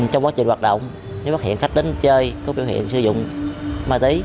trong quá trình hoạt động nếu phát hiện khách đến chơi có biểu hiện sử dụng ma túy